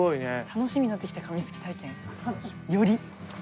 楽しみになってきた紙すき体験。より。